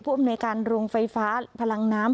พรุ่มในการลงไฟฟ้าพลังน้ำ